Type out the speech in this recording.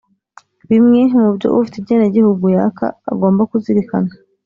Bimwe mu byo ufite ubwenegihugu runaka agomba kuzirikana